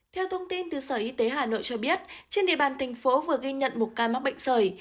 theo thông tin từ sở y tế hà nội cho biết trên địa bàn thành phố vừa ghi nhận một ca mắc bệnh sởi